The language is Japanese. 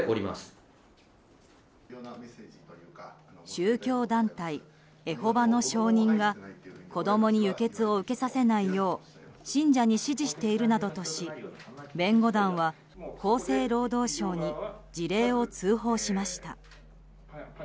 宗教団体エホバの証人が子供に輸血を受けさせないよう信者に指示しているなどとし弁護団は厚生労働省に事例を通報しました。